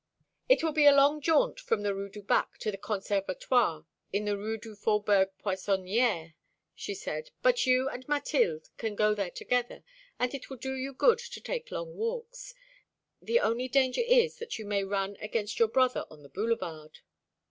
"It will be a long jaunt from the Rue du Bac to the Conservatoire in the Rue du Faubourg Poissonniére," she said, "but you and Mathilde can go there together, and it will do you good to take long walks. The only danger is that you may run against your brother on the Boulevard."